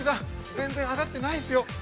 全然上がってないですよ。